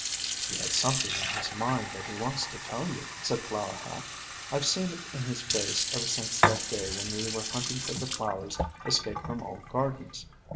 "He has something on his mind that he wants to tell you," said Flower Hat. "I 've seen it in his face ever since that day when we were hunt ing for the flowers escaped from old gardens.